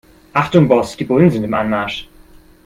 Achtung Boss, die Bullen sind im Anmarsch.